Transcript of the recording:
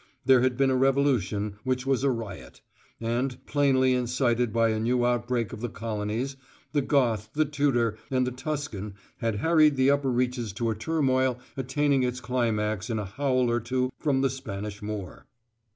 There had been a revolution which was a riot; and, plainly incited by a new outbreak of the colonies, the Goth, the Tudor, and the Tuscan had harried the upper reaches to a turmoil attaining its climax in a howl or two from the Spanish Moor.